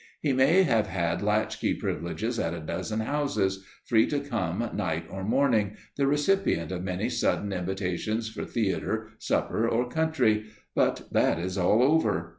He may have had latch key privileges at a dozen houses, free to come night or morning, the recipient of many sudden invitations for theatre, supper or country but that is all over.